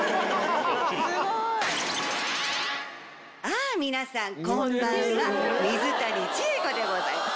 あ皆さんこんばんは水谷千重子でございます。